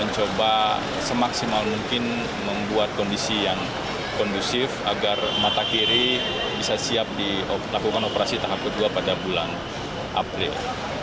dan coba semaksimal mungkin membuat kondisi yang kondusif agar mata kiri bisa siap dilakukan operasi tahap kedua pada bulan april